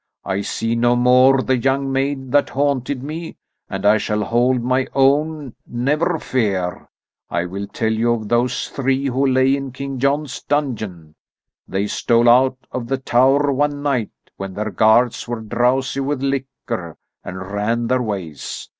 I see no more the young maid that haunted me, and I shall hold my own, never fear. I will tell you of those three who lay in King John's dungeon. They stole out of the tower one night, when their guards were drowsy with liquor, and ran their ways.